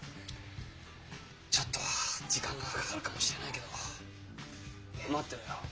ちょっと時間がかかるかもしれないけど待ってろよ。